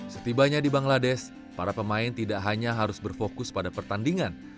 setibanya di bangladesh para pemain tidak hanya harus berfokus pada pertandingan